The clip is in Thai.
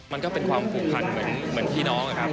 มันก็เป็นความผูกพันเหมือนพี่น้องนะครับ